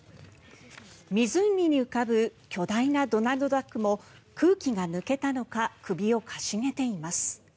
湖に浮かぶ巨大なドナルドダックも空気が抜けたのか首を傾げています。